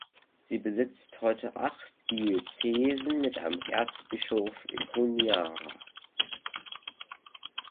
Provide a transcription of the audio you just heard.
Sie besitzt heute acht Diözesen mit einem Erzbischof in Honiara.